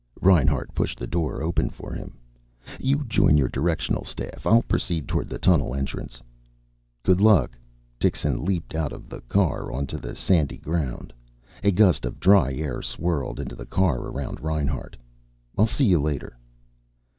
Reinhart pushed the door open for him. "You join your directional staff. I'll proceed toward the tunnel entrance." "Good luck." Dixon leaped out of the car, onto the sandy ground. A gust of dry air swirled into the car around Reinhart. "I'll see you later."